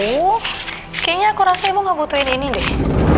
kayaknya aku rasa ibu gak butuhin ini deh